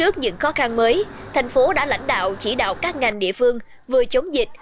càng mới thành phố đã lãnh đạo chỉ đạo các ngành địa phương vừa chống dịch